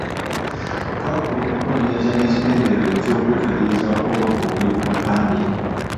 Twakola okunoonyereza n’ekigenderwa eky’okwekaliriza obubaka obuli ku bupande.